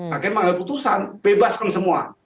hakim mengambil putusan bebasku semua